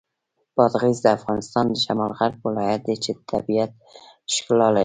بادغیس د افغانستان د شمال غرب ولایت دی چې د طبیعت ښکلا لري.